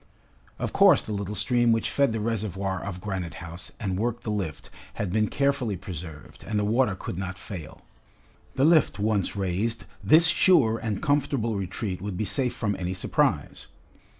Of course the little stream which fed the reservoir of Granite House and worked the lift, had been carefully preserved, and the water could not fail. The lift once raised, this sure and comfortable retreat would be safe from any surprise.